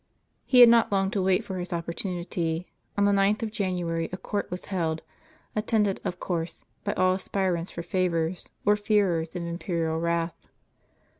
He had not long to wait for his opportunity. On the 9th of January a court was held, attended, of course, by all aspir ants for favors, or fearers of imperial wrath.